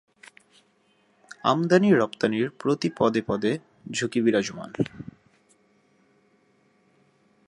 আমদানি-রপ্তানির প্রতি পদে পদে ঝুঁকি বিরাজমান।